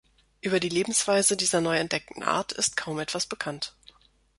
Über die Lebensweise dieser neu entdeckten Art ist kaum etwas bekannt.